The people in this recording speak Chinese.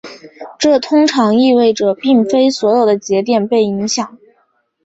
这通常意味着并非所有的节点被影响。